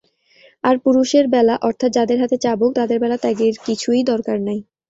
আর পুরুষের বেলা অর্থাৎ যাঁদের হাতে চাবুক, তাঁদের বেলা ত্যাগের কিছুই দরকার নাই।